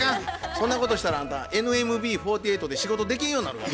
そんなことしたらあんたＮＭＢ４８で仕事できんようなるがな。